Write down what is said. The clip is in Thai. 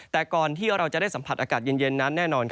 แต่ก่อนที่เราจะได้สัมผัสอากาศเย็นนั้นแน่นอน